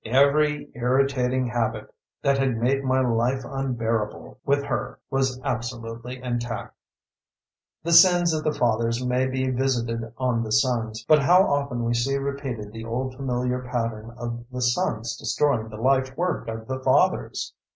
"Every irritating habit that had made my life unbearable with her was absolutely intact." The sins of the fathers may be visited on the sons, but how often we see repeated the old familiar pattern of the sons destroying the lifework of the fathers!